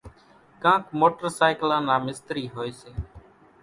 ڪانڪ موٽرسائيڪلان نا مِستري هوئيَ سي۔